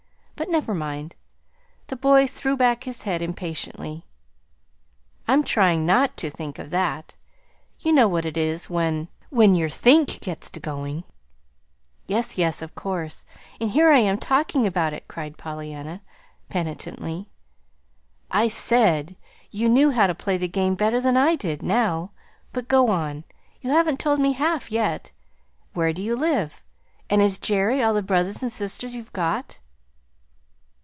But never mind." The boy threw back his head impatiently. "I'm trying not to THINK of that. You know what it is when when your THINK gets to going." "Yes, yes, of course and here I am talking about it!" cried Pollyanna, penitently. "I SAID you knew how to play the game better than I did, now. But go on. You haven't told me half, yet. Where do you live? And is Jerry all the brothers and sisters you've got?"